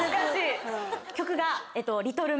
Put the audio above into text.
曲が。